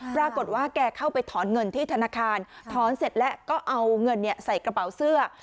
ปรากฏว่าแกเข้าไปถอนเงินที่ธนาคารถอนเสร็จแล้วก็เอาเงินใส่กระเป๋าเสื้อ